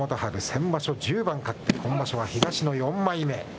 先場所１０番勝って今場所は左の４枚目。